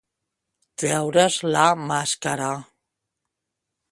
Treure's la màscara.